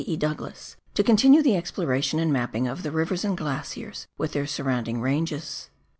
E. Douglas, to continue the exploration and mapping of the rivers and glaciers with their surrounding ranges.